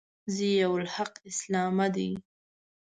ضیأالحق اسلامه دی.